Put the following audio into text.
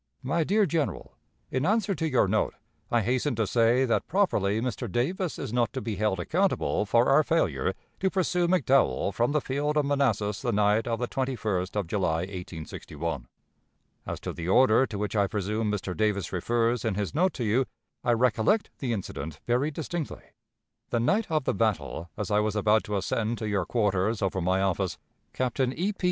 "My dear General: In answer to your note, I hasten to say that properly Mr. Davis is not to be held accountable for our failure to pursue McDowell from the field of Manassas the night of the 21st of July, 1861. "As to the order, to which I presume Mr. Davis refers in his note to you, I recollect the incident very distinctly. "The night of the battle, as I was about to ascend to your quarters over my office, Captain E. P.